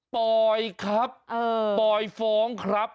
ปอยครับปอยฟ้องครับ